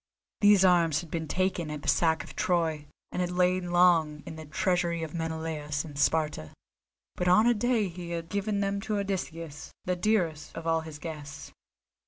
These arms had been taken at the sack of Troy, and had lain long in the treasury of Menelaus in Sparta; but on a day he had given them to Odysseus, the dearest of all his guests.